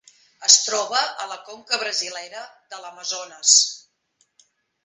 Es troba a la conca brasilera de l'Amazones.